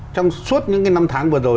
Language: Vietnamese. trong suốt những cái năm tháng vừa rồi